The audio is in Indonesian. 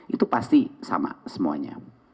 itu pasti sama semuanya